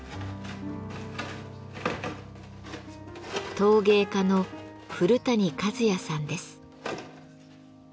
陶芸家の古谷和也さんです。